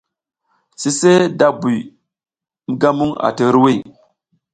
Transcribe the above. Sise da buy mi ga muƞ ati hiriwiy.